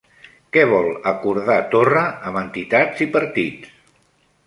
Què vol acordar Torra amb entitats i partits?